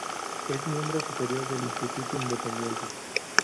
Es miembro superior del Instituto Independiente.